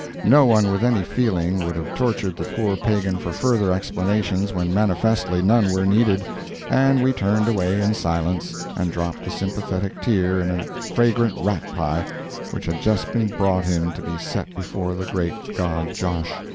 No one with any feeling would have tortured the poor pagan for further explanations when manifestly none were needed, and we turned away in silence, and dropped a sympathetic tear in a fragrant rat pie which had just been brought in to be set before the great god Josh.